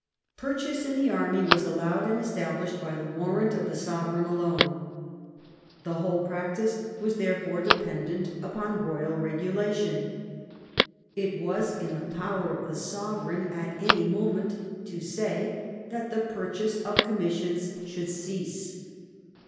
Purchase in the army was allowed and established by the warrant of the sovereign alone. The whole practice was there fore dependent upon royal regulation. It was in the power of the sovereign at any moment to say that the purchase of commissions should cease.